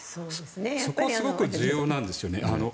そこがすごく重要なんですよね。